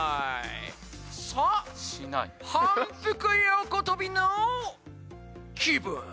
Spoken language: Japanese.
さぁ反復横跳びの気分。